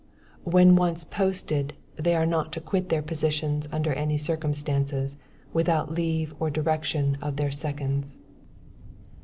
When once posted, they are not to quit their positions under any circumstances, without leave or direction of their seconds.